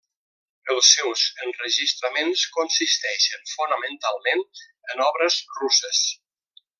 Els seus enregistraments consisteixen fonamentalment en obres russes.